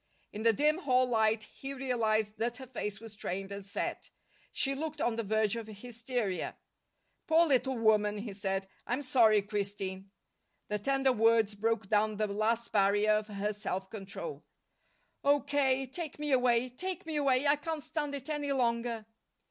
In the dim hall light he realized that her face was strained and set. She looked on the verge of hysteria. "Poor little woman," he said. "I'm sorry, Christine." The tender words broke down the last barrier of her self control. "Oh, K.! Take me away. Take me away! I can't stand it any longer."